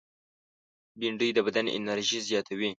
بېنډۍ د بدن انرژي زیاتوي